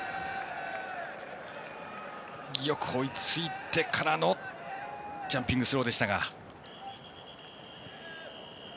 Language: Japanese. よく追いついてからのジャンピングスローでしたが。